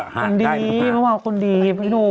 คนดีไม่ว่าคนดีแว่นหนู